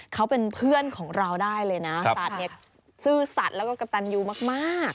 เขาเป็นเพื่อนของเราได้เลยนะสัตว์เนี่ยซื่อสัตว์แล้วก็กระตันยูมาก